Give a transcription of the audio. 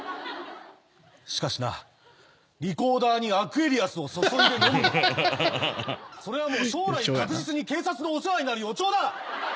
しかしなリコーダーにアクエリアスを注いで飲むのはそれは将来確実に警察のお世話になる予兆だ。